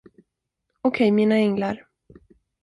Okej, mina änglar.